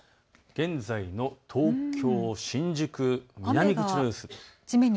現在の東京新宿、南口の様子。